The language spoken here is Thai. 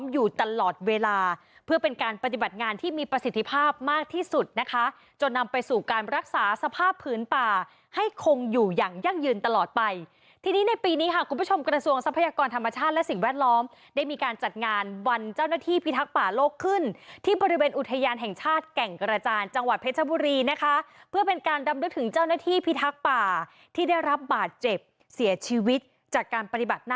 อยู่อย่างยั่งยืนตลอดไปทีนี้ในปีนี้ค่ะคุณผู้ชมกระทรวงทรัพยากรธรรมชาติและสิ่งแวดล้อมได้มีการจัดงานวันเจ้าหน้าที่พิทักษ์ป่าโลกขึ้นที่บริเวณอุทยานแห่งชาติแก่งกระจานจังหวัดเพชรบุรีนะคะเพื่อเป็นการดำดึกถึงเจ้าหน้าที่พิทักษ์ป่าที่ได้รับบาดเจ็บเสียชีวิตจากการป